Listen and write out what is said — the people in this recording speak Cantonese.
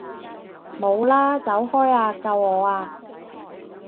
冇啊！走開啊！救我啊！